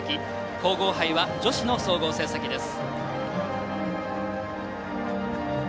皇后杯は女子の総合成績です。